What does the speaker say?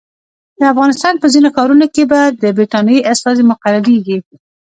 د افغانستان په ځینو ښارونو کې به د برټانیې استازي مقرریږي.